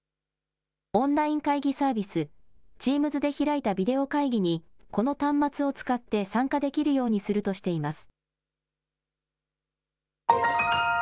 オンライン会議サービス、チームズで開いたビデオ会議にこの端末を使って参加できるようにするとしています。